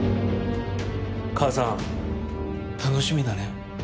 母さん楽しみだね